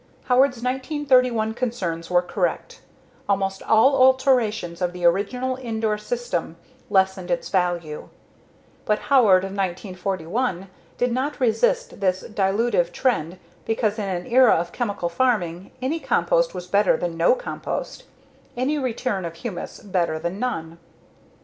Howard's 1931 concerns were correct almost all alterations of the original Indore system lessened its value but Howard of 1941 did not resist this dilutive trend because in an era of chemical farming any compost was better than no compost, any return of humus better than none.